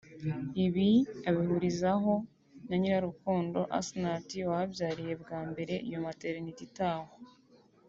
Ibi abihurizaho na Nyirarukundo Assinath wahabyariye bwa mbere iyo maternité itahwa